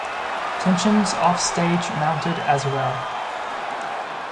Tensions offstage mounted as well.